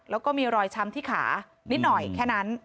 แล้วก็มีรอยช้ำที่ขานิดหน่อยแค่นั้น